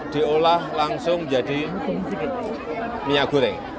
diolah langsung menjadi minyak goreng